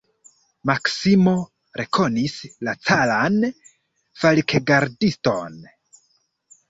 Maksimo rekonis la caran falkgardiston.